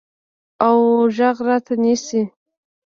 اوغوږ راته نیسي